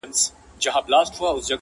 ده هم وركړل انعامونه د ټگانو.!